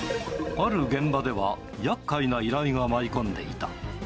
ある現場では厄介な依頼が舞い込んでいた。